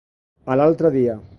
A l'altre dia.